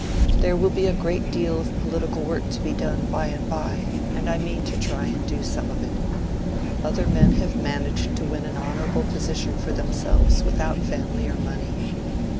There will be a great deal of political work to be done by and by, and I mean to try and do some of it. Other men have managed to win an honorable position for themselves without family or money."